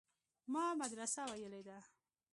ما مدرسه ويلې ده.